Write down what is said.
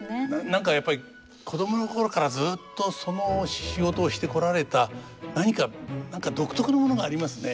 何かやっぱり子供の頃からずっとその仕事をしてこられた何か何か独特のものがありますね。